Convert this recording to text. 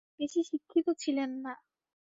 তিনি বেশি শিক্ষিত ছিলেন না।